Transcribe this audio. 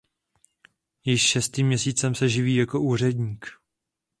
Již šestým měsícem se živí jako úředník.